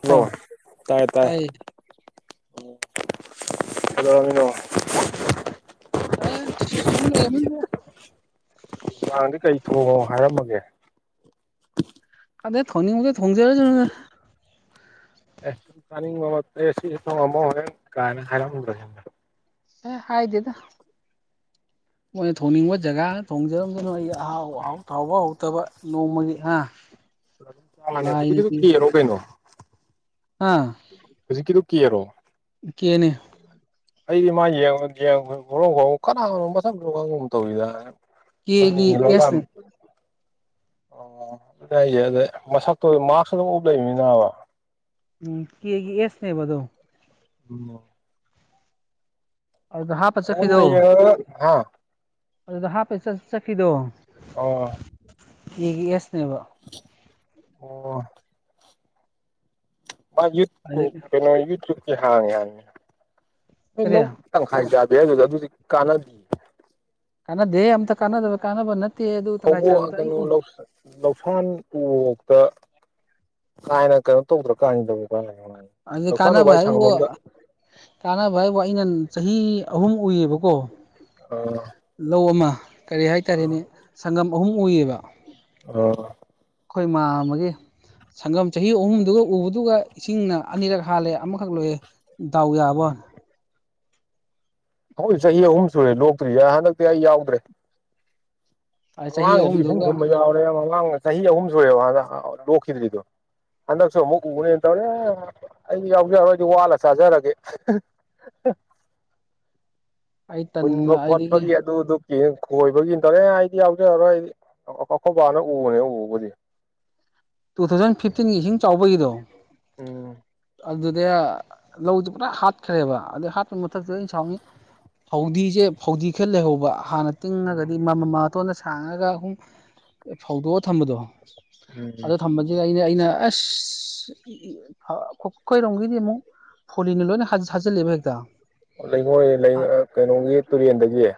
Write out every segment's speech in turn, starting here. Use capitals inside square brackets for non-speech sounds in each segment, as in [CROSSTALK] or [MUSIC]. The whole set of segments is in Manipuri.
ꯍꯜꯂꯣ ꯑꯣ ꯇꯥꯏ ꯇꯥꯏ ꯇꯥꯏꯌꯦ ꯀꯩꯗꯧꯔꯝꯃꯤꯅꯣ [UNINTELLIGIBLE] ꯑ ꯁꯨꯝ ꯂꯩꯔꯝꯃꯤꯗ ꯅꯨꯡꯗꯥꯡꯗꯤ ꯀꯩ ꯊꯣꯡꯉꯣ ꯍꯥꯏꯔꯝꯃꯒꯦ ꯈꯪꯗꯧ ꯊꯣꯡꯅꯤꯡ ꯕꯗꯣ ꯊꯣꯡꯖꯔꯁꯅꯨꯗ ꯑꯦ ꯆꯅꯤꯡꯕ ꯑꯃ ꯁꯤꯖꯦ ꯊꯣꯡꯉꯝꯃꯣ ꯀꯥꯏ ꯍꯥꯏꯔꯝꯃꯨꯗꯅ ꯑꯦ ꯍꯥꯏꯗꯦꯗ ꯃꯣꯏꯅ ꯊꯣꯡꯅꯤꯡꯕ ꯖꯒꯥ ꯊꯣꯡꯖꯔꯝꯖꯅꯨ ꯑꯩ ꯑꯍꯥꯎ ꯑꯍꯥꯎ ꯍꯥꯎꯕ ꯍꯥꯎꯇꯕ ꯅꯣꯡꯃꯒꯤ ꯑꯥ ꯑꯗꯨ ꯆꯅꯤ ꯍꯧꯖꯤꯛꯀꯤꯗꯣ ꯀꯦꯔꯣ ꯀꯩꯅꯣ ꯍꯥ ꯍꯧꯖꯤꯛꯀꯤꯗꯣ ꯀꯦ ꯔꯣ ꯀꯦꯅꯦ ꯑꯩꯗꯤ ꯃꯥ ꯌꯦꯡꯕꯗ ꯃꯥꯏ ꯄꯨꯡ ꯋꯥꯎ ꯋꯥꯎꯕꯒꯨꯝ ꯀꯅꯥꯅꯣ ꯃꯁꯛ ꯈꯪꯒꯨꯝ ꯇꯧꯔꯤꯗ ꯀꯦꯒꯤ ꯑꯦꯁꯅꯦ ꯑꯣ ꯑꯗꯨꯅꯦ ꯍꯥꯏꯁꯦ ꯑꯗ ꯃꯁꯛꯇꯣ ꯃꯥꯛꯁ ꯑꯗꯨꯝ ꯎꯞ ꯂꯩꯕꯅꯤꯅꯕ ꯎꯝ ꯀꯦꯒꯤ ꯑꯦꯁ ꯅꯦꯕ ꯑꯗꯣ ꯎꯝ ꯑꯗꯨꯗ ꯍꯥꯞꯄ ꯆꯠꯈꯤꯗꯣ ꯑꯥ ꯑꯗꯨꯗ ꯍꯥꯞꯄꯦ ꯆꯠ ꯆꯠꯈꯤꯗꯣ ꯑꯣ ꯀꯦꯒꯤ ꯑꯦꯁꯅꯦꯕ ꯑꯣ ꯃꯥ ꯌꯨ ꯀꯣ ꯑꯗꯩ ꯀꯩꯅꯣ ꯌꯨꯠ ꯇꯨꯞꯀꯤ ꯍꯥꯡꯉꯤ ꯍꯥꯏꯕꯅꯦ ꯀꯔꯤ ꯂꯧ ꯇꯪꯈꯥꯏ ꯆꯥꯕꯤ ꯍꯥꯏꯗ ꯑꯗꯨꯗꯤ ꯀꯥꯟ ꯀꯥꯟꯅꯗꯦ ꯑꯝꯇ ꯀꯥꯟꯅꯗꯕ ꯀꯥꯟꯅꯕ ꯅꯠꯇꯦ ꯑꯗꯨ ꯇꯪꯈꯥꯏ ꯐꯧꯕꯣꯠ ꯑꯥ ꯆꯥꯕꯤꯗꯣ ꯑꯩ ꯀꯩꯅꯣ ꯎ ꯂꯧꯁꯥꯟ ꯎꯏꯌꯦ ꯀ ꯀꯥꯏꯅ ꯀꯩꯅꯣ ꯇꯧꯗ꯭ꯔꯀꯥꯟꯖꯤꯗꯕ ꯍꯧꯖꯤꯛ ꯀꯥꯟꯅꯕ ꯍꯥꯏꯕꯨ ꯀꯥꯟꯅꯕ ꯍꯥꯏꯕꯨ ꯑꯩꯅ ꯆꯍꯤ ꯑꯍꯨꯝ ꯎꯏꯌꯦꯕꯀꯣ ꯂꯧ ꯑꯃ ꯀꯔꯤ ꯍꯥꯏꯇꯥꯔꯦꯅꯦ ꯁꯪꯒꯝ ꯑꯍꯨꯝ ꯎꯏꯌꯦꯕ ꯑꯩꯈꯣꯏ ꯃꯥꯝꯃꯥꯒꯤ ꯁꯪꯒꯝ ꯆꯍꯤ ꯑꯍꯨꯝꯗꯨꯒ ꯎꯕꯗꯨꯒ ꯏꯁꯤꯡꯅ ꯑꯅꯤꯔꯛ ꯍꯥꯠꯂꯦ ꯑꯃꯈꯛ ꯂꯣꯏꯑꯦ ꯗꯥꯎ ꯌꯥꯕ ꯋꯥ ꯑꯩꯈꯣꯏ ꯆꯍꯤ ꯑꯍꯨꯝ ꯁꯨꯔꯦ ꯂꯣꯛꯇ꯭ꯔꯤꯁꯦ ꯌꯥ ꯍꯟꯗꯛꯇꯤ ꯑꯩ ꯌꯥꯎꯗ꯭ꯔꯦ ꯆꯍꯤ ꯃꯃꯥꯡꯒꯤꯗꯤ ꯏꯁꯤꯡ ꯑꯍꯨꯝꯗꯨꯒ ꯊꯨꯝꯕ ꯌꯥꯎꯔꯦ ꯃꯍꯥꯡ ꯆꯍꯤ ꯑꯍꯨꯝ ꯁꯨꯔꯑꯦꯕ ꯑꯗ ꯂꯣꯛꯈꯤꯗ꯭ꯔꯤꯗꯣ ꯍꯟꯗꯛꯁꯨ ꯑꯃꯨꯛ ꯎꯅꯦꯅ ꯇꯧꯔꯦ ꯑꯩ ꯌꯥꯎꯖꯔꯔꯣꯏꯗꯤ ꯋꯥꯜꯂ ꯆꯥꯖꯔꯒꯦ ꯎ [INAUDIBLE] [INAUDIBLE] ꯑꯩ ꯍꯨꯟꯕ ꯇꯟꯅ ꯑꯗꯒꯤ ꯈꯣꯠꯄꯒꯤ ꯑꯗꯨ ꯑꯗꯨ ꯈꯣꯏꯕꯒꯤꯟꯇꯔꯦ ꯑꯦ ꯑꯩꯗꯤ ꯌꯥꯎꯖꯔꯔꯣꯏ ꯑꯩꯗꯤ ꯑꯩꯈꯣꯏꯕꯥꯅ ꯎꯕꯅꯦ ꯎꯕꯕꯨꯗꯤ ꯇꯨ ꯊꯥꯎꯖꯟ ꯐꯤꯐꯇꯤꯟꯒꯤ ꯏꯁꯤꯡ ꯆꯥꯎꯕꯒꯤꯗꯣ ꯎꯝ ꯑꯗꯨꯗ ꯂꯧꯁꯦ ꯄꯨꯔꯥ ꯍꯥꯠꯈ꯭ꯔꯦꯕ ꯑꯗꯨꯗꯩ ꯍꯥꯠꯄꯒꯤ ꯃꯊꯛꯇꯗ ꯑꯩꯅ ꯁꯥꯎꯅꯤ ꯐꯥꯎꯗꯤꯁꯦ ꯐꯥꯎꯗꯤ ꯈꯔ ꯂꯩꯍꯧꯕ ꯍꯥꯟꯅ ꯇꯤꯡꯉꯒꯗꯤ ꯃ ꯃ ꯃꯥꯇꯣꯟꯗ ꯁꯥꯡꯉꯒ ꯑꯨꯝ ꯐꯧꯗꯣꯛꯑ ꯊꯝꯕꯗꯣ ꯑꯗꯣ ꯎꯝ ꯊꯝꯕꯕꯁꯤ ꯑꯩꯅ ꯑꯩꯅ ꯑꯁ ꯈꯣꯏꯔꯣꯝꯒꯤꯗꯤ ꯑꯃꯨꯛ ꯐꯣꯂꯤꯟꯅ ꯂꯣꯏꯅ ꯍ ꯁꯥꯠꯆꯜꯂꯦꯕ ꯍꯦꯛꯇ ꯂꯩꯉꯣꯏ ꯂꯩ ꯑꯥ ꯀꯩꯅꯣꯒꯤ ꯇꯨꯔꯦꯟꯗꯒꯤ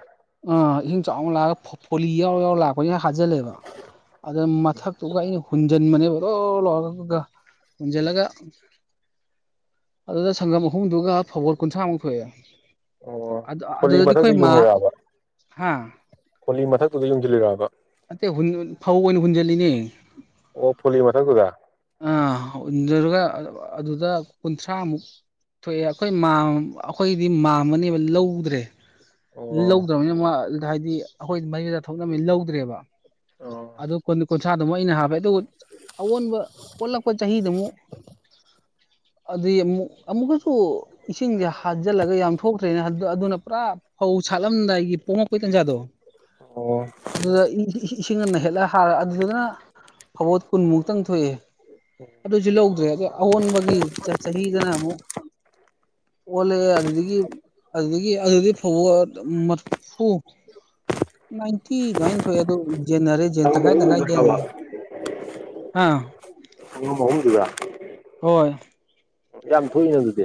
ꯑꯥ ꯏꯁꯤꯡ ꯆꯥꯎꯅ ꯂꯥꯛꯑꯒ ꯐꯣꯂꯤ ꯌꯥꯎꯔ ꯌꯥꯎꯔ ꯂꯥꯛꯄꯅꯤꯅ ꯍꯥꯖꯜꯂꯦꯕ ꯑꯗ ꯃꯠ ꯊꯛꯇꯨꯒ ꯑꯩꯅ ꯍꯨꯟꯖꯟꯕꯅꯦꯕ ꯂꯣ ꯂ ꯂꯧꯔꯒ ꯍꯨꯟꯖꯜꯂꯒ ꯑꯗꯨꯗ ꯁꯪꯒꯝ ꯑꯍꯨꯝꯗꯨꯒ ꯐꯕꯣꯠ ꯀꯨꯟꯊ꯭ꯔꯥꯃꯨꯛ ꯊꯣꯛꯑꯦ ꯑꯣ ꯑꯗꯨ ꯐꯣꯂꯤ ꯑꯗꯨꯗꯗꯤ ꯃꯊꯛꯇ ꯑꯩꯈꯣꯏ ꯃꯥ ꯌꯨꯡꯉꯤꯔꯕ ꯍꯥ ꯐꯣꯂꯤ ꯃꯊꯛꯇꯨꯗ ꯌꯨꯡꯁꯤꯜꯂꯤꯔꯕ ꯅꯠꯇꯦ ꯍꯨ ꯍꯨꯟ ꯐꯧ ꯑꯣꯏꯅ ꯍꯨꯟꯖꯜꯂꯤꯅꯦ ꯑꯣ ꯐꯣꯂꯤ ꯃꯊꯛꯇꯨꯗ ꯑꯥ ꯍꯨꯟꯖꯜꯂꯒ ꯑꯗꯨꯗ ꯀꯨꯟꯊ꯭ꯔꯥꯃꯨꯛ ꯊꯣꯛꯑꯦ ꯑꯩꯈꯣꯏ ꯃꯥꯃ ꯑꯩꯈꯣꯏꯗꯤ ꯃꯥꯝꯃꯅꯦꯕ ꯂꯧꯗ꯭ꯔꯦ ꯑꯣ ꯂꯧꯗ꯭ꯔꯝꯅꯤꯅ ꯃꯥ ꯍꯥꯏꯗꯤ ꯑꯩꯈꯣꯏ ꯃꯔꯤꯗ ꯊꯣꯛꯅ ꯕꯅꯤꯅ ꯂꯧꯗ꯭ꯔꯦꯕ ꯑꯣ ꯑꯗꯨ ꯀꯨꯟ ꯀꯨ ꯊ꯭ꯔꯥꯗꯨ ꯃꯣ ꯑꯩꯅ ꯍꯥꯞꯄꯦ ꯑꯗꯨꯒ ꯑꯑꯣꯟꯕ ꯑꯣꯜꯂꯛꯄ ꯆꯍꯤꯗꯨꯃꯨꯛ ꯑꯗꯨꯏ ꯑꯃꯨꯛ ꯑꯃꯨꯛꯀꯁꯨ ꯏꯁꯤꯡꯁꯦ ꯍꯥꯖꯤꯜꯂꯒ ꯌꯥꯝ ꯊꯣꯛꯇ꯭ꯔꯦꯅꯦ ꯍꯥ ꯑꯗꯨꯅ ꯄꯨꯔꯥ ꯐꯧ ꯁꯥꯠꯂꯝꯗꯥꯏꯒꯤ ꯄꯣꯝꯃꯛꯄꯩ ꯇꯟꯖꯥꯗꯣ ꯑꯣ ꯑꯗꯨꯗ ꯏ ꯍꯤ ꯏꯁꯤꯡꯅ ꯅꯩꯍꯠꯂ ꯍꯥꯔꯦ ꯑꯗꯨꯗꯅ ꯐꯧꯕꯣꯠ ꯀꯨꯟꯃꯨꯛꯇꯪ ꯊꯣꯛꯏ ꯑꯗꯨꯁꯨ ꯂꯧꯗ꯭ꯔꯦ ꯑꯗ ꯑꯑꯣꯟꯕꯒꯤ ꯆꯥ ꯆꯍꯤꯗꯅ ꯑꯃꯨꯛ ꯑꯣꯜꯂꯒ ꯑꯗꯨꯗꯒꯤ ꯑꯗꯨꯗꯒꯤ ꯑꯗꯨꯗꯤ ꯐꯧꯕꯣꯠ ꯃꯔꯐꯨ ꯅꯥꯏꯟꯇꯤ ꯑꯗꯨꯃꯥꯏꯟ ꯊꯣꯛꯑꯦ ꯑꯗꯨ ꯖꯦꯟꯅꯔꯦ ꯖꯦꯟ ꯁꯪꯉꯝ ꯇꯈꯥꯏ ꯇꯈꯥꯏ ꯑꯍꯨꯝꯗꯨꯗꯔꯕ ꯌꯦꯅ ꯍꯥ [INAUDIBLE] ꯍꯣꯏ ꯌꯥꯝ ꯊꯣꯛꯏꯅ ꯑꯗꯨꯗꯤ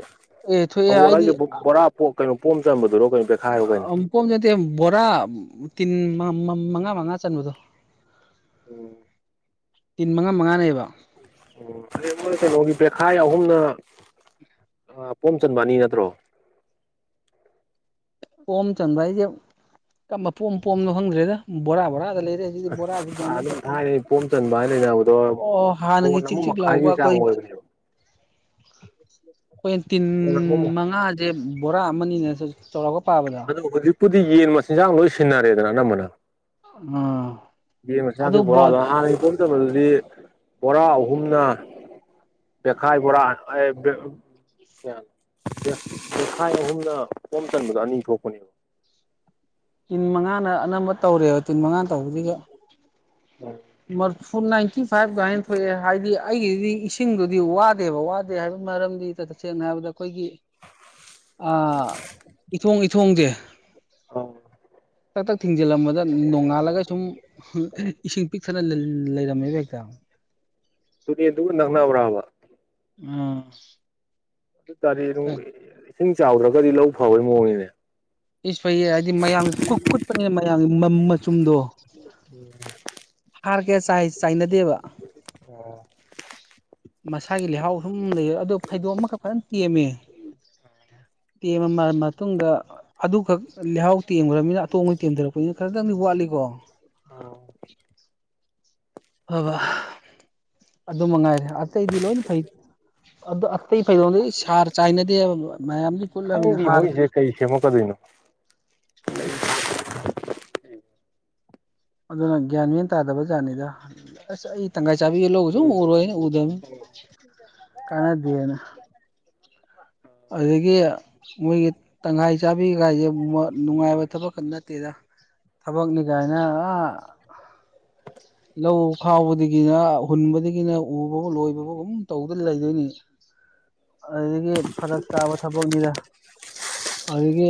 ꯑꯦ ꯊꯣꯛꯑꯦ ꯐꯧꯕꯣꯠ ꯍꯥꯏꯗꯤ ꯍꯥꯏꯁꯦ ꯕꯣ ꯕꯣꯔꯥ ꯄꯤ ꯀꯩꯅꯣ ꯄꯣꯝ ꯆꯟꯕꯗꯨꯔꯣ ꯀꯩꯅꯣ ꯕꯦꯈꯥꯏꯔꯣ ꯀꯩꯅꯣ ꯑꯥꯝ ꯄꯣꯝ ꯅꯠꯇꯦ ꯕꯣꯔꯥ ꯎꯝ ꯇꯤꯟ ꯃ ꯃ ꯃꯉꯥ ꯃꯉꯥ ꯆꯟꯕꯗꯣ ꯑꯣ ꯇꯤꯟ ꯃꯉꯥ ꯃꯉꯥꯅꯦꯕ ꯑꯣ ꯇ꯭ꯔꯃꯣꯏ ꯀꯩꯅꯣꯒꯤ ꯕꯦꯛꯈꯥꯏ ꯑꯍꯨꯝꯅ ꯄꯣꯝ ꯆꯟꯕ ꯑꯅꯤ ꯅꯠꯇ꯭ꯔꯣ [INAUDIBLE] ꯄꯣꯝ ꯆꯟꯕ ꯍꯥꯏꯁꯦ ꯀꯔꯝꯕ ꯄꯣꯝ ꯄꯣꯝꯅꯣ ꯈꯪꯗ꯭ꯔꯦꯗ ꯕꯣꯔꯥ ꯕꯣꯔꯥꯗ ꯂꯩ ꯗꯤ ꯕꯣꯔꯥꯁꯤ ꯒ꯭ꯌꯥꯟꯃꯤ ꯑꯗꯨꯝ ꯊꯣꯛꯈ꯭ꯔ ꯊꯥꯏꯅꯩ ꯄꯣꯝ ꯆꯟꯕ ꯍꯥꯏꯅ ꯂꯩꯅꯕꯗꯣ ꯑꯣ ꯍꯥꯟꯅꯒꯤ ꯃꯣꯟ ꯆꯤꯛ ꯑꯃ ꯆꯤꯛ ꯂꯥꯎꯕ ꯃꯈꯥꯏꯒꯤ ꯆꯥꯡ ꯑꯩꯈꯣꯏ ꯑꯣꯏꯕꯅꯦꯕ ꯑꯩꯈꯣꯏꯅ ꯇꯤꯟ ꯃꯉꯥꯥꯁꯦ ꯕꯣꯔꯥ ꯑꯃꯅꯤꯅꯦ ꯆ ꯆꯧꯔꯥꯛꯄ ꯄꯥꯕꯗ ꯄꯨꯗꯤ ꯌꯦꯟ ꯃꯆꯤꯟꯖꯥꯡ ꯂꯣꯏ ꯁꯤꯟꯅꯔꯦꯗꯅ ꯑꯅꯝꯕꯅ ꯑꯥ ꯌꯦꯝ ꯑꯗꯨ ꯃꯆꯥꯒꯤ ꯕꯣꯔꯥꯗꯣ ꯍꯥꯟꯅꯗꯤ ꯄꯣꯝ ꯆꯟꯕꯗꯨꯗꯤ ꯕꯣꯔꯥ ꯑꯍꯨꯝꯅ ꯄꯦꯈꯥꯏ ꯕꯣꯔꯥ ꯑꯑꯦ ꯕꯦꯞ ꯀꯌꯥꯅꯣ ꯄꯦ ꯄꯦꯈꯥꯏ ꯑꯍꯨꯝꯅ ꯄꯣꯝ ꯆꯟꯕꯗꯣ ꯑꯅꯤ ꯊꯣꯛꯄꯅꯦ [INAUDIBLE] ꯇꯤꯟ ꯃꯉꯥꯅ ꯑꯅꯝꯕ ꯇꯧꯔꯦꯕ ꯇꯤꯟ ꯃꯉꯥ ꯇꯧꯕꯁꯤꯒ ꯏꯃꯔ ꯐꯨꯟ ꯅꯥꯏꯟꯇꯤ ꯐꯥꯏꯚ ꯒꯥꯏꯟ ꯊꯣꯛꯑꯦ ꯍꯥꯏꯗꯤ ꯑꯩꯒꯤꯗꯤ ꯏꯁꯤꯡꯗꯨꯗꯤ ꯋꯥꯗꯦꯕ ꯋꯥꯗꯦ ꯍꯥꯏꯕꯩ ꯃꯔꯝꯗꯤ ꯇꯁꯦꯡꯅ ꯍꯥꯏꯔꯕꯗ ꯑꯩꯈꯣꯏꯒꯤ ꯑꯥ ꯏꯊꯣꯡ ꯏꯊꯣꯡꯖꯦ ꯑꯣ ꯅꯣꯡꯉꯥꯜꯂꯒ ꯁꯨꯝ ꯏꯁꯤꯡ ꯄꯤꯛꯊꯅ ꯂꯩꯔꯝꯃꯦꯕ [UNINTELLIGIBLE] ꯇꯨꯔꯦꯟ ꯗꯨꯒ ꯅꯛꯅꯕ꯭ꯔꯥꯕ ꯑꯥ ꯑꯗꯨꯇꯥꯔꯗꯤ ꯑꯗꯨꯝ ꯏꯁꯤꯡ ꯆꯥꯎꯗ꯭ꯔꯒꯗꯤ ꯂꯧ ꯐꯕꯩ ꯃꯑꯣꯡꯅꯤꯅꯦ ꯏꯁ ꯐꯩꯌꯦ ꯍꯥꯏꯗꯤ ꯃꯌꯥꯝ ꯀꯨ ꯀꯨꯠꯄꯅꯦ ꯃꯌꯥꯝꯒꯤ ꯃ ꯃ ꯃꯆꯨꯝꯗꯣ [INAUDIBLE] ꯍꯥꯔ ꯀꯌꯥ ꯆꯥꯏ ꯆꯥꯏꯅꯗꯦꯕ ꯑꯣ ꯃꯁꯥꯒꯤ ꯂꯩꯍꯥꯎ ꯁꯨꯝ ꯂꯩ ꯑꯗꯣ ꯐꯩꯗꯣꯝ ꯑꯃꯈꯛꯇꯪ ꯇꯦꯝꯃꯦ ꯇꯦꯝꯃ ꯃꯇꯨꯡꯗ ꯑꯗꯨꯈꯛ ꯂꯩꯍꯥꯎ ꯇꯦꯝꯈ꯭ꯔꯕꯅꯤꯅ ꯑꯇꯣꯡꯕ ꯇꯦꯝꯊꯔꯛꯄꯅꯤꯅ ꯈꯤꯇꯪꯗꯤ ꯋꯥꯠꯂꯤꯀꯣ ꯀꯣ ꯍꯣꯏꯕ ꯑꯗꯨꯃꯛ ꯉꯥꯏꯔꯦ ꯑꯇꯩꯗꯤ ꯂꯣꯏꯅ ꯐꯩ ꯑꯗꯣ ꯑꯇꯩ ꯐꯩꯗꯣꯝ ꯍꯔ ꯆꯥꯏꯗꯦꯗꯤ ꯃꯌꯥꯝ ꯈꯪꯗꯦ ꯃꯣꯏꯁꯦ ꯀꯩ ꯁꯦꯝꯃꯛꯀꯗꯣꯏꯅꯣ [UNINTELLIGIBLE] ꯑꯗꯨꯅ ꯒ꯭ꯌꯥꯟ ꯃꯌꯥꯦꯟ ꯇꯥꯗꯕ ꯖꯥꯠꯅꯤꯗ ꯑꯁ ꯑꯩ ꯇꯪꯪꯈꯥꯏ ꯆꯕꯤ ꯂꯧꯁꯨ ꯎꯝ ꯎꯔꯣꯏ ꯎꯗꯕꯅꯤ ꯀꯥꯟꯅꯗꯦꯅ ꯑꯗꯨꯗꯒꯤ ꯃꯣꯏꯒꯤ ꯇꯪꯈꯥꯏ ꯆꯥꯕꯤꯈꯥꯏꯁꯦ ꯅꯨꯡꯉꯥꯏꯕ ꯊꯕꯛ ꯀ ꯅꯠꯇꯦꯗ ꯊꯕꯛꯅꯤ ꯀꯥꯏꯅ ꯂꯧ ꯈꯥꯎꯕꯗꯒꯤꯅ ꯍꯨꯟꯕꯗꯒꯤꯅ ꯎꯕꯕꯨ ꯂꯣꯏꯕꯕꯨꯥꯎꯒꯨꯝ ꯇꯧꯗꯅ ꯂꯩꯗꯣꯏꯅꯤ ꯑꯗꯨꯗꯒꯤ ꯐꯔꯛ ꯇꯥꯕ ꯊꯕꯛꯅꯤꯗ ꯑꯗꯨꯗꯒꯤ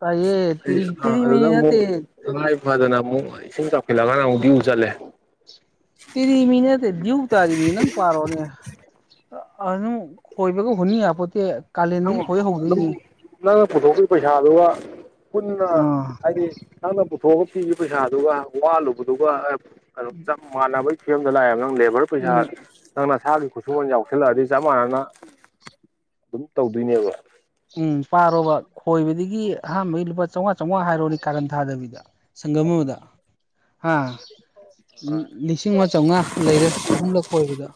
ꯇꯥꯏꯌꯦ ꯇꯤꯔꯤ ꯑꯗꯨꯗ ꯇꯤꯔꯤꯃꯤꯅꯤ ꯑꯃꯨꯛ ꯅꯠꯇꯦ ꯇꯥꯉꯥꯏ ꯐꯗꯅ ꯑꯃꯨꯛ ꯏꯁꯤꯡ ꯆꯥꯎꯁꯤꯜꯂꯛꯑꯒꯅ ꯗꯤꯌꯨ ꯆꯠꯂꯦ ꯇꯦꯔꯤ ꯃꯦꯔꯤ ꯇꯠꯇꯦꯗꯤꯌꯨ ꯇꯥꯔꯤꯕꯅꯤ ꯅꯪ ꯄꯔꯣꯅꯦ ꯑꯗꯨꯅ ꯀꯣꯏꯕꯀ ꯍꯨꯟ ꯌꯥꯄꯣꯟꯇꯦ [UNINTELLIGIBLE] ꯅꯪꯅ ꯄꯨꯊꯣꯛꯄꯒꯤ ꯄꯩꯁꯥꯗꯨꯒ ꯄꯨꯟꯅ ꯑꯥ ꯍꯥꯏꯗꯤ ꯅꯪꯅ ꯄꯨꯊꯣꯛꯑꯒ ꯄꯤꯈꯤꯕ ꯄꯩꯁꯥꯗꯨꯒ ꯋꯥꯟꯂꯨꯕꯗꯨꯒ ꯀꯩꯅꯣ ꯆꯞ ꯃꯥꯟꯅꯕꯒꯤ ꯐꯤꯕꯝꯗ ꯂꯥꯛꯑꯦꯕ ꯅꯪ ꯂꯦꯕꯔ ꯎꯝ ꯄꯩꯁꯥꯥ ꯅꯪꯅ ꯏꯁꯥꯒꯤ ꯈꯨꯠꯁꯨꯃꯜ ꯌꯥꯎꯁꯜꯂꯛꯑꯗꯤ ꯆꯞ ꯃꯥꯟꯅꯅ ꯑꯗꯨꯝ ꯇꯧꯗꯣꯏꯅꯦꯕ ꯎꯝ ꯄꯥꯔꯣꯕ ꯈꯣꯏꯕꯗꯒꯤ ꯑꯍꯥꯟꯕꯩ ꯂꯨꯄꯥ ꯆꯥꯝꯃꯉꯥ ꯆꯥꯝꯃꯉꯥ ꯍꯥꯏꯔꯣꯅꯦ ꯀꯥꯔꯟ ꯊꯥꯗꯕꯤꯗ ꯁꯒꯝꯃꯗ ꯍꯥꯥ ꯂꯤꯁꯤꯡ ꯑꯃ ꯆꯥꯝꯃꯉꯥ ꯂꯩꯔꯦ ꯑꯍꯨꯝꯂꯛ ꯀꯣꯏꯕꯗ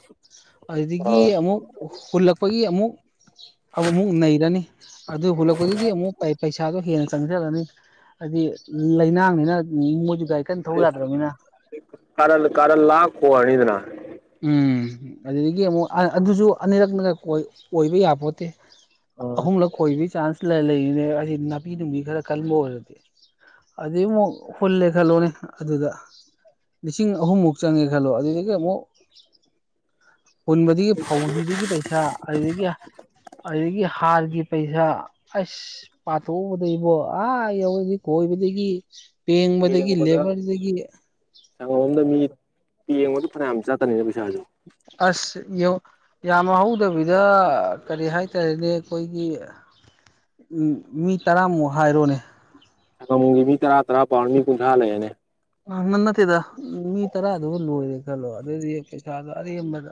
ꯑꯗꯨꯗꯒꯤ ꯑꯥ ꯑꯃꯨꯛ ꯍꯨꯜꯂꯛꯄꯒꯤ ꯑꯃꯨꯛ ꯑꯃꯨꯛ ꯅꯩꯔꯅꯤ ꯑꯗꯨ ꯍꯨꯜꯂꯛꯄꯗꯨꯗꯤ ꯑꯃꯨꯛ ꯄꯩꯁꯥꯗꯣ ꯍꯦꯟꯅ ꯆꯪꯁꯤꯜꯂꯅꯤ ꯍꯥꯏꯗꯤ ꯂꯩꯅꯥꯡꯅꯤꯅ ꯎꯝ ꯃꯣꯏꯗꯤ ꯒꯔꯤ ꯀꯟꯅ ꯊꯧꯕ ꯌꯥꯗ꯭ꯔꯕꯅꯤꯅ ꯀꯥꯔꯟ ꯀꯥꯔꯟ ꯂꯥꯛ ꯈꯣꯑꯅꯤꯗꯅ ꯎꯝ ꯑꯗꯨꯗꯒꯤ ꯑꯃꯨꯛ ꯑꯗꯨꯁꯨ ꯑꯅꯤꯔꯛꯅ ꯑꯣꯏꯕ ꯌꯥꯄꯣꯠꯇꯦ ꯑꯥ ꯑꯍꯨꯝꯂꯛ ꯈꯣꯏꯕꯒꯤ ꯆꯥꯟꯁ ꯂꯩꯔꯤꯅꯦ ꯑꯁꯤꯗꯤ ꯅꯥꯄꯤ ꯅꯨꯕꯤ ꯈꯔ ꯀꯟꯕ ꯑꯣꯏꯔꯗꯤ ꯑꯗꯨꯏ ꯑꯃꯨꯛ ꯍꯨꯜꯂꯦ ꯈꯜꯂꯣꯅꯦ ꯑꯗꯨꯗ ꯂꯤꯁꯤꯡ ꯑꯍꯨꯝꯃꯨꯛ ꯆꯪꯉꯦ ꯈꯜꯂꯣ ꯑꯗꯨꯗꯒꯤ ꯑꯃꯨꯛ ꯍꯨꯟꯕꯗꯒꯤ ꯐꯧꯗꯤꯗꯒꯤ ꯄꯩꯁꯥ ꯑꯗꯨꯗꯒꯤ ꯑꯗꯨꯗꯒꯤ ꯍꯥꯔꯒꯤ ꯄꯩꯁꯥ ꯑꯁ ꯄꯥꯊꯣꯛꯎꯕꯗꯒꯤꯕꯣ ꯑꯥ ꯌꯥꯧꯔꯗꯤ ꯀꯣꯏꯕꯗꯒꯤ ꯄꯦꯡꯕꯗꯒꯤ ꯂꯦꯕꯔꯗꯒꯤ ꯁꯪꯒꯣꯝꯗ ꯃꯤ ꯄꯦꯡꯕꯗꯨ ꯐꯅꯌꯥꯝ ꯆꯠꯀꯅꯤꯅ ꯄꯩꯁꯥꯁꯨ ꯑꯁ ꯌꯥꯝ ꯍꯧꯗꯕꯤꯗ ꯀꯔꯤ ꯍꯥꯏꯇꯥꯔꯦꯅꯦ ꯑꯩꯈꯣꯏꯒꯤ ꯎꯝ ꯃꯤ ꯇꯔꯥꯃꯨꯛ ꯍꯥꯏꯔꯣꯅꯦ ꯁꯪꯒꯝ ꯑꯃ ꯃꯝꯒꯤ ꯃꯤ ꯇꯔꯥ ꯇꯔꯥ ꯄꯥꯔꯣꯅ ꯃꯤ ꯀꯨꯟꯊ꯭ꯔꯥ ꯂꯩꯔꯅꯦ ꯑ ꯅ ꯅꯠꯇꯦꯗ ꯃꯤ ꯇꯔꯥꯗꯨꯕꯨ ꯂꯣꯏꯔꯦ ꯈꯜꯂꯣ ꯑꯗꯨꯑꯣꯏꯗꯤ ꯄꯩꯁꯥꯗꯣ ꯑꯔꯦꯝꯕꯗ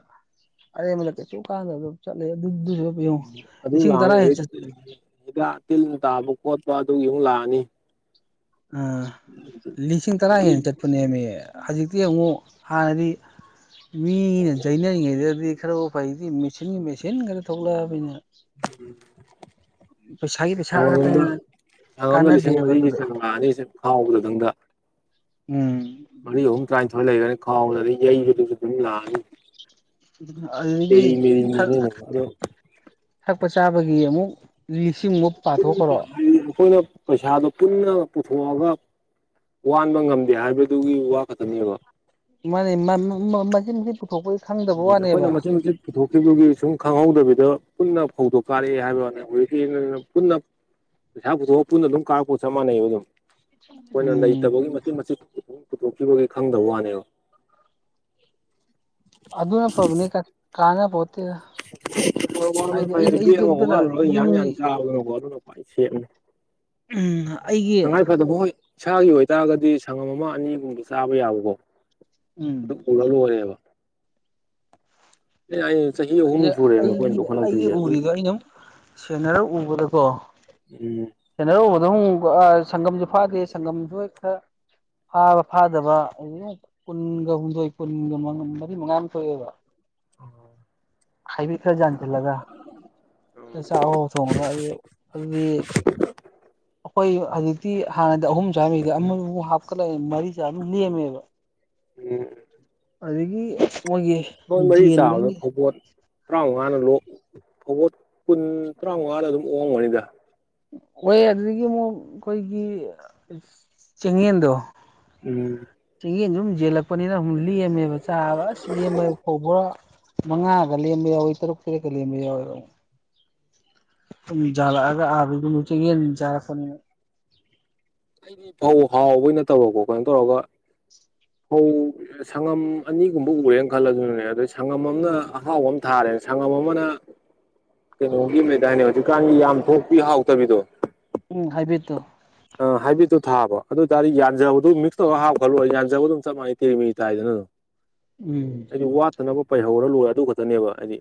ꯑꯔꯦꯝꯕꯗ ꯀꯩꯁꯨ ꯀꯥꯟꯅꯗꯕꯗ ꯆꯠꯂꯦ ꯑꯗꯨꯗꯨꯁꯨ ꯎꯝ ꯌꯦꯡꯉꯨ ꯑꯗꯨ ꯂꯤꯁꯤꯡ ꯇꯔꯥ ꯂꯥꯛꯑꯅꯤ ꯍꯦꯟꯅ ꯆꯠ ꯍꯤꯗꯥꯛ ꯇꯤꯜ ꯇꯥꯕ ꯈꯣꯠꯄ ꯑꯗꯨꯒꯤꯃꯨꯛ ꯂꯥꯛꯑꯅꯤ ꯑꯥ ꯂꯤꯁꯤꯡ ꯇꯔꯥ ꯑꯗꯩ ꯍꯦꯟꯅ ꯆꯠꯄꯅꯦꯃꯤ ꯍꯧꯖꯤꯛꯇꯤ ꯑꯃꯨꯛ ꯍꯥꯟꯅꯗꯤ ꯃꯤꯅ ꯆꯩꯅꯔꯤꯉꯩꯗꯗꯤ ꯈꯔꯕꯨ ꯐꯩꯗꯤ ꯃꯦꯆꯤꯟꯒꯤ ꯃꯦꯆꯤꯟ ꯆꯤꯟ ꯉꯥꯇ ꯊꯣꯛꯂꯛꯑꯕꯅꯤꯅ ꯄꯩꯁꯥꯒꯤ ꯄꯩꯁꯥ ꯁꯪꯉꯝꯗ ꯈꯛꯇꯅꯤꯅ ꯁꯪꯉꯝꯗ ꯂꯤꯁꯤꯡ ꯀꯥꯟꯅꯗꯦꯕ ꯃꯔꯤꯒꯤ ꯑꯗꯨꯗꯣ ꯆꯥꯡ ꯂꯥꯛꯑꯅꯤꯁꯦ ꯈꯥꯎꯕꯗ ꯇꯪꯗ ꯎꯝ ꯃꯔꯤ ꯑꯍꯨꯝ ꯇꯔꯥꯅꯤꯊꯣꯏ ꯂꯩꯒꯂꯦ ꯈꯥꯎꯗꯗꯤ ꯌꯩꯕꯗꯁꯨ ꯑꯗꯨꯝ ꯂꯥꯛꯑꯅꯤ ꯑꯗꯨꯗꯒꯤ ꯇꯦꯔꯤ ꯊꯛ ꯃꯦꯔꯤꯅꯤꯅꯦ ꯑꯗꯣ ꯊꯛꯄ ꯆꯥꯕꯒꯤ ꯑꯃꯨꯛ ꯂꯤꯁꯤꯡꯃꯨꯛ ꯄꯨꯟꯅ ꯄꯥꯊꯣꯛꯈ꯭ꯔꯣ ꯑꯩꯈꯣꯏꯅ ꯄꯩꯁꯥ ꯑꯗꯨ ꯄꯨꯟꯅ ꯄꯨꯊꯣꯛꯑꯒ ꯋꯥꯟꯕ ꯉꯝꯗꯦ ꯍꯥꯏꯕꯗꯨꯒꯤ ꯋꯥ ꯈꯛꯇꯅꯦꯕ ꯃꯥꯅꯦ ꯃ ꯃ ꯃꯆꯤꯠ ꯃꯆꯤꯠ ꯑꯩꯈꯣꯏꯅ ꯃꯆꯤꯠ ꯃꯆꯤꯠ ꯄꯨꯊꯣꯛꯈꯤꯕꯗꯨꯒꯤ ꯁꯨꯝ ꯈꯪꯍꯧꯗꯕ ꯄꯨꯟꯅ ꯐꯧꯗꯣ ꯀꯥꯔꯛꯑꯦ ꯍꯥꯏꯕꯅꯤ ꯍꯧꯖꯤꯛꯀꯤꯖꯤꯅ ꯄꯨꯟꯅ ꯄꯩꯁꯥ ꯄꯨꯊꯣꯛꯑꯒ ꯄꯨꯟꯅ ꯑꯗꯨꯝ ꯀꯥꯔꯛꯄꯒ ꯆꯞ ꯃꯥꯟꯅꯩꯕ ꯑꯗꯨꯝ ꯑꯩꯈꯣꯏꯅ ꯎꯝ ꯂꯩꯇꯕꯒꯤ ꯃꯆꯤꯠ ꯃꯆꯤꯠ ꯑꯗꯨꯝ ꯄꯨꯊꯣꯛꯈꯤꯕꯒꯤ ꯈꯪꯗꯕ ꯋꯥꯅꯦꯕ ꯑꯗꯨꯅ ꯐꯕꯅꯤ ꯀꯥꯟ ꯀꯥꯅꯕꯣ ꯐꯧ ꯋꯥꯟꯕꯅ ꯐꯩꯌꯦ ꯕꯦꯛ ꯑꯩꯁꯨ ꯑꯃ ꯑꯗꯨꯅ ꯋꯥꯜꯂꯨꯔꯒ ꯌꯥ ꯌꯥ ꯌꯨꯝꯒꯤ ꯆꯥꯕꯅ ꯑꯗꯨꯅ ꯈꯋꯥꯏ ꯁꯦꯞꯅꯤ ꯎꯝ ꯑꯩꯒꯤ ꯇꯉꯥꯏ ꯐꯗꯕ ꯍꯣꯏ ꯏꯁꯥꯒꯤ ꯑꯣꯏꯇꯥꯔꯒꯗꯤ ꯁꯪꯉꯝ ꯑꯃ ꯑꯅꯤꯒꯨꯝꯕ ꯆꯥꯕ ꯌꯥꯕꯀꯣ ꯑꯗꯨ ꯎꯝ ꯎꯔ ꯂꯣꯏꯔꯦꯕ ꯑꯦ ꯑꯩ ꯆꯍꯤ ꯑꯍꯨꯝ ꯑꯖꯦ ꯁꯨꯔꯦꯕ ꯑꯩꯒꯤ ꯑꯩꯈꯣꯏꯅ ꯑꯩꯒꯤ ꯂꯧꯈꯠꯂꯛꯇꯣꯏꯁꯦ ꯑꯗꯨꯝ ꯎꯔꯤꯗꯣ ꯑꯩꯅꯝ ꯁꯦꯟꯅꯔ ꯎꯕꯗꯀꯣ ꯎꯝ ꯁꯦꯟꯅꯔꯒ ꯎꯕꯗ ꯑꯃꯨꯛ ꯑꯥ ꯁꯒꯝꯁꯨ ꯐꯥꯗꯦ ꯁꯒꯝꯁꯨ ꯍꯣꯢ ꯈꯔ ꯐꯥꯕ ꯐꯥꯗꯕ ꯑꯗꯨ ꯀꯨꯟꯒ ꯍꯨꯝꯗꯣꯏ ꯀꯨꯟꯒ ꯃꯔꯤ ꯃꯉꯥ ꯃꯨꯛ ꯊꯣꯛꯑꯦ ꯍꯥꯢꯕꯔꯤꯠ ꯈꯔ ꯌꯥꯟꯁꯤꯜ ꯂꯒ ꯆꯥꯛꯍꯥꯎ ꯊꯣꯡꯑꯔꯣꯢ ꯑꯗꯨꯗꯤ ꯑꯈꯣꯏ ꯍꯧꯖꯤꯛꯇꯤ ꯍꯥꯟꯅꯗꯤ ꯑꯍꯨꯝ ꯆꯪꯉꯝꯃꯤ ꯑꯃꯃꯨꯛ ꯍꯥꯞꯀꯠꯂꯛꯑꯦ ꯃꯔꯤ ꯆꯥꯕ ꯂꯦꯝꯃꯦꯕ ꯎꯝ ꯑꯗꯒꯤ ꯑꯩꯈꯣꯏ ꯃꯔꯤ ꯆꯥꯕꯗ ꯐꯧꯕꯣꯠ ꯇꯔꯥꯃꯉꯥꯅ ꯂꯣꯛ ꯐꯕꯣꯠ ꯀꯨꯟ ꯇꯔꯥꯃꯉꯥꯗ ꯑꯗꯨꯝ ꯑꯣꯛꯑꯝꯒꯅꯤꯗ ꯍꯣꯢ ꯑꯗꯨꯗꯒꯤ ꯑꯃꯨꯛ ꯑꯈꯣꯏꯒꯤ ꯆꯦꯡꯌꯦꯟꯗꯣ ꯎꯝ ꯆꯤꯡꯌꯦꯟꯗꯨ ꯑꯗꯨꯨꯝ ꯌꯦꯜꯂꯛꯄꯅꯤꯅ ꯂꯦꯝꯃꯦꯕ ꯆꯥꯕ ꯑꯁ ꯂꯦꯝꯕ ꯐꯧꯕꯣꯔꯥ ꯃꯉꯥꯒ ꯂꯦꯝꯕ ꯌꯥꯎꯏ ꯇꯔꯨꯛ ꯇꯔꯦꯠꯀ ꯂꯦꯝꯕ ꯌꯥꯎꯑꯦꯕ ꯗꯨꯝ ꯖꯥꯂꯛꯑꯒ ꯑꯗꯨꯝ ꯆꯦꯡꯌꯦꯟ ꯆꯥꯔꯛꯄꯅꯤꯅ ꯑꯩꯗꯤ ꯐꯧ ꯍꯥꯎꯕꯩ ꯅꯠꯇꯕꯀꯣ ꯀꯩꯅꯣ ꯇꯧꯔꯒ ꯐꯧ ꯁꯉꯝ ꯑꯅꯤꯒꯨꯝꯕ ꯎꯔꯦꯅ ꯈꯜꯂꯖꯨꯅꯦ ꯑꯗꯩ ꯁꯉꯝ ꯑꯃꯅ ꯎꯝ ꯑꯍꯥꯎꯕ ꯑꯃ ꯊꯥꯔꯦ ꯁꯉꯝ ꯑꯃꯅ ꯀꯩꯅꯣꯒꯤ ꯑꯃ ꯂꯩꯗꯥꯢꯅꯦ ꯍꯧꯖꯤꯛꯀꯥꯟꯒꯤ ꯌꯥꯝ ꯊꯣꯛꯄꯤ ꯍꯥꯎꯇꯕꯤꯗꯣ ꯎꯝ ꯍꯥꯏꯕꯤꯠꯇꯣ ꯑ ꯍꯥꯢꯕꯔꯤꯠꯇꯣ ꯊꯥꯕ ꯑꯗꯨꯑꯣꯏꯇꯥꯗꯤ ꯌꯥꯟꯖꯕꯗꯣ ꯃꯤꯛꯁ ꯇꯧꯔ ꯍꯥꯞꯈ꯭ꯔ ꯂꯣꯏꯔꯣ ꯌꯥꯟꯖꯕꯗꯣ ꯆꯞ ꯃꯥꯅꯩ ꯇꯦꯔꯤ ꯃꯦꯔꯤ ꯇꯥꯏꯗꯅ ꯑꯗꯨꯝ ꯎꯝ ꯑꯩꯗꯤ ꯋꯥꯠꯇꯅꯕ ꯄꯩꯍꯧꯔꯒ ꯂꯣꯏꯔꯦ ꯑꯗꯨ ꯈꯛꯇꯅꯦꯕ ꯑꯩꯗꯤ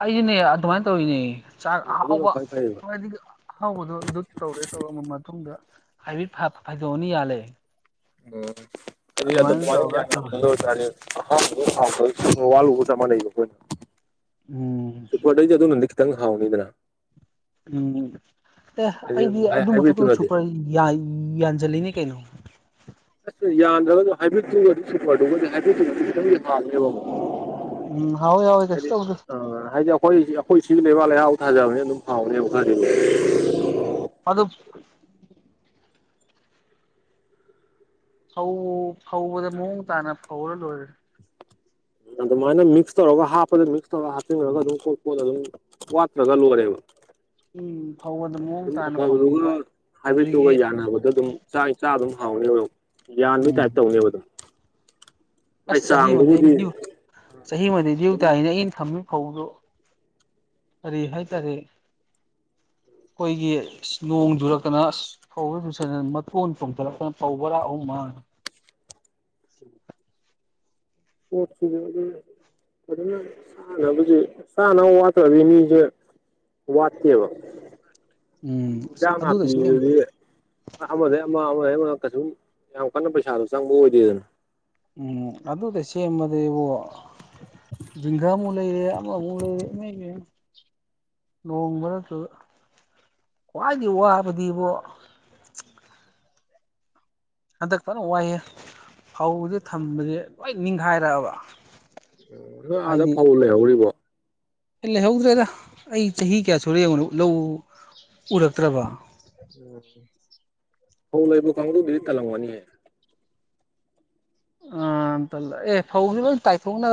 ꯑꯩꯖꯨꯅꯦ ꯑꯗꯨꯃꯥꯏꯅ ꯇꯧꯔꯤꯅꯦ ꯆꯥꯛ ꯑꯗꯨꯅ ꯑꯍꯥꯎꯕ ꯈ꯭ꯋꯥꯏ ꯐꯩꯌꯦꯕ ꯍꯥꯏꯗꯤ ꯑꯍꯥꯎꯕꯗꯣ ꯑꯗꯨ ꯇꯧꯒꯦ ꯇꯧꯔ ꯃꯇꯨꯡꯗ ꯍꯥꯢꯕꯔꯤꯠ ꯐ ꯐꯩꯗꯣꯝ ꯑꯅꯤ ꯌꯥꯜꯂꯦ ꯑꯥ ꯍꯥꯏꯗꯤ ꯑꯗꯨꯝ ꯑꯗꯨꯃꯥꯏꯅ ꯃꯥꯢꯅ ꯇꯧꯔꯒ ꯌꯥꯟꯕ ꯇꯧꯔꯦ ꯉꯝꯗꯣꯏ ꯑꯣꯏꯇ꯭ꯔꯥꯗꯤ [UNINTELLIGIBLE] ꯋꯥꯂꯨꯕ ꯆꯞ ꯃꯥꯟꯅꯩ ꯑꯩꯈꯣꯏꯅ ꯎꯝ ꯁꯨꯄ꯭ꯔꯗꯩꯗꯤ ꯑꯗꯨꯅꯗꯤ ꯈꯤꯇꯪ ꯍꯥꯎꯅꯤꯗꯅ ꯎꯝ ꯑꯦ ꯍꯥꯏꯗꯤ ꯑꯩꯗꯤ ꯑꯗꯨꯒꯤ ꯃꯊꯛꯇꯨꯗ ꯍꯥꯏꯕ꯭ꯔꯤꯠꯇꯨꯅꯗꯤ ꯁꯨꯄꯔ ꯌꯥꯟꯁꯤꯜꯂꯤꯅꯤ ꯀꯩꯅꯣ ꯑꯁ ꯌꯥꯟꯗ꯭ꯔꯒꯁꯨ ꯍꯥꯏꯕꯤꯠꯇꯨꯒ ꯁꯨꯄꯔꯗꯨꯒ ꯍꯥꯏꯕꯤꯠꯇꯨꯅꯗꯤ ꯈꯤꯇꯪꯗꯤ ꯐꯅꯦꯕꯀꯣ ꯎꯝ ꯍꯥꯎꯋꯦ ꯍꯥꯎꯋꯦ ꯀꯩꯁꯨ ꯍꯥꯏꯗꯤ ꯇꯧꯗꯦ ꯑ ꯍꯥꯏꯗꯤ ꯑꯩꯈꯣꯏ ꯑꯩꯈꯣꯏ ꯁꯤ ꯂꯩꯕꯥꯛ ꯂꯩꯍꯥꯎ ꯐꯒꯔꯕꯅꯤꯅ ꯑꯗꯨꯝ ꯍꯥꯎꯅꯦꯕ ꯈꯔꯗꯤ ꯑꯗꯨꯝ ꯑꯔꯨꯞ ꯐꯧ ꯐꯧꯕꯗ ꯃꯑꯣꯡ ꯇꯥꯅ ꯐꯧꯔꯒ ꯂꯣꯏꯔꯦ ꯑꯗꯨꯃꯥꯏꯅ ꯃꯤꯛꯁ ꯇꯧꯔꯒ ꯍꯥꯞꯄꯗ ꯃꯤꯛꯁ ꯇꯧꯔꯒ ꯍꯥꯞꯆꯤꯟꯈꯒ ꯑꯗꯨꯝ ꯀꯣꯠ ꯀꯣꯠ ꯑꯗꯨꯝ ꯋꯥꯠꯇ꯭ꯔꯒ ꯂꯣꯢꯔꯦꯕ ꯎꯝ ꯐꯧꯕꯗ ꯃꯑꯣꯡ ꯑꯗꯨꯝ ꯇꯥꯅ ꯑꯐꯕꯗꯨꯒ ꯐꯧꯕꯤꯕ ꯍꯥꯏꯕꯔꯤꯠꯇꯨꯒ ꯑꯗꯨꯗꯒꯤ ꯌꯥꯅꯕꯗ ꯑꯗꯨꯝ ꯆꯥꯛ ꯏꯆꯥ ꯑꯗꯨꯝ ꯍꯥꯎꯅꯦꯕ ꯑꯗꯨꯝ ꯌꯥꯟꯕꯒꯤ ꯎꯝ ꯇꯥꯏꯞ ꯇꯧꯅꯦꯕ ꯑꯗꯨꯝ ꯃꯥꯏ ꯑꯁ ꯆꯍꯤꯃꯗꯤ ꯆꯥꯡꯗꯨꯕꯨꯗꯤ ꯑꯩ ꯆꯍꯤꯃꯗ ꯗ꯭ꯌꯨ ꯑꯗꯨꯝ ꯇꯥꯏꯅꯦ ꯑꯩꯅ ꯊꯝꯃꯤ ꯐꯧꯗꯣ ꯀꯔꯤ ꯍꯥꯏꯇꯥꯔꯦ ꯑꯩꯈꯣꯏꯒꯤ ꯅꯣꯡ ꯆꯨꯔꯛꯇꯅ ꯐꯧ ꯌꯨꯁꯟꯗꯅ ꯃꯇꯣꯟ ꯆꯣꯡꯊꯠꯂꯛꯇꯅ ꯐꯧ ꯕꯣꯔꯥ ꯑꯍꯨꯝ ꯍꯣꯏ [UNINTELLIGIBLE] ꯐꯥꯖꯟꯅ ꯆꯥꯅꯕꯁꯦ ꯆꯥꯅꯕ ꯋꯥꯠꯄꯩ ꯑꯣꯢꯔꯝꯅꯤ ꯃꯤꯁꯦ ꯋꯥꯠꯇꯦꯕ ꯎꯝ ꯑꯁ ꯏꯟꯖꯥꯡ ꯑꯗꯨꯗ ꯁꯦꯝ ꯅꯥꯄꯤꯗꯨꯗꯤ ꯑꯃꯗꯩ ꯑꯃ ꯑꯃꯗꯩ ꯑꯃ ꯀꯩꯁꯨꯝ ꯌꯥꯝ ꯀꯟꯅ ꯄꯩꯁꯥꯗꯣ ꯆꯪꯕꯗꯣ ꯑꯣꯏꯗꯦꯗꯅ ꯎꯝ ꯑꯗꯨꯗ ꯁꯦꯝꯃꯗꯤ ꯏꯕꯣ ꯖꯤꯒꯥꯥꯃꯨꯛ ꯂꯩꯔꯦ ꯑꯃ ꯃꯨꯛ ꯂꯩꯔꯦ ꯏꯃꯩꯃꯩ ꯅꯣꯡꯃꯔꯛꯇꯨꯗ ꯈ꯭ꯋꯥꯏꯗꯩ ꯋꯥꯕꯗꯤꯕꯣ ꯍꯟꯗꯛ ꯐꯅ ꯋꯥꯏꯑꯦ ꯐꯧꯁꯦ ꯊꯝꯕꯁꯦ ꯂꯣꯏ ꯅꯤꯡꯈꯥꯏꯔꯛꯑꯕ ꯎꯝ ꯅꯣꯏ ꯑꯥꯗ ꯍꯥꯏꯗꯤ ꯐꯧ ꯂꯩ ꯍꯧꯔꯤꯕꯣ ꯂꯩꯍꯧꯗ꯭ꯔꯦꯗ ꯑꯩ ꯆꯍꯤ ꯀꯌꯥ ꯁꯨꯔꯦ ꯌꯦꯡꯉꯨꯅꯦ ꯂꯧ ꯎꯔꯛꯇ꯭ꯔꯕ ꯐꯧ ꯂꯩꯕ ꯀꯥꯡꯕꯨꯗꯤ ꯀꯜꯂꯝꯒꯅꯤꯍꯦ ꯑ ꯇꯜꯂꯦ ꯑꯦ ꯐꯧꯒꯗꯤ ꯂꯣꯏ ꯇꯥꯏꯊꯣꯛꯅꯔ